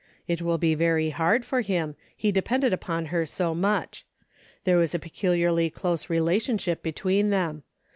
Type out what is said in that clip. It will be very hard for him, he depended upon her so much. There was a peculiarly close relationship be tween them.